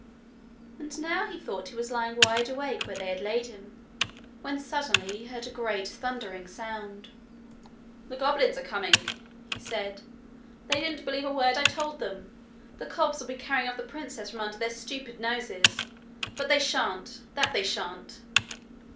And now he thought he was lying wide awake where they had laid him, when suddenly he heard a great thundering sound. 'The cobs are coming!' he said. 'They didn't believe a word I told them! The cobs'll be carrying off the princess from under their stupid noses! But they shan't! that they shan't!'